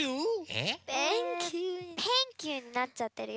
えっ！？